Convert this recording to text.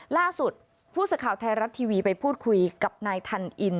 ล่าสุดผู้สื่อข่าวไทยรัฐทีวีไปพูดคุยกับนายทันอิน